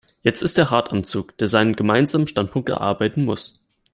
Jetzt ist der Rat am Zug, der seinen Gemeinsamen Standpunkt erarbeiten muss.